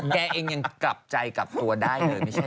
แกเองยังกลับใจกลับตัวได้เลยไม่ใช่